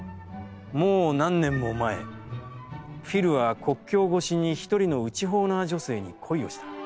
もう何年も前、フィルは国境ごしに一人の内ホーナー女性に恋をした。